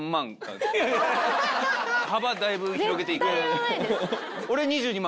幅だいぶ広げて。